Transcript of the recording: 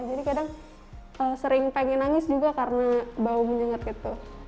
jadi kadang sering pengen nangis juga karena bau menyengat gitu